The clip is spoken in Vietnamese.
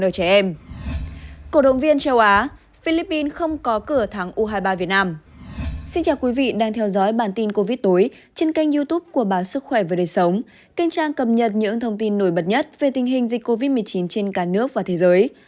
trên kênh youtube của báo sức khỏe và đời sống kênh trang cập nhật những thông tin nổi bật nhất về tình hình dịch covid một mươi chín trên cả nước và thế giới